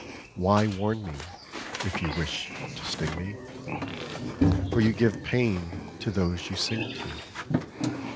Why warn me, if you wish to sting me ? For you give pain to those you sing to.